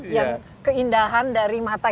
yang keindahan dari mata